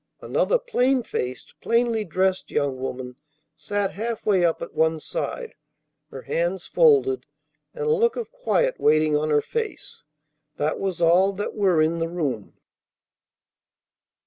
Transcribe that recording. Another plain faced, plainly dressed young woman sat half way up at one side, her hands folded and a look of quiet waiting on her face. That was all that were in the room.